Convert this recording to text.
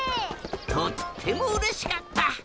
とってもうれしかった！